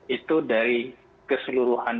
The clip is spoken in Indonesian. itu dari keseluruhan